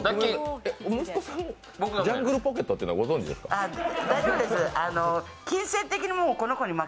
息子さん、ジャングルポケットっていうのはご存じですか？